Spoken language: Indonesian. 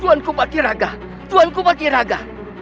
tuan ku pakir raga tuan ku pakir raga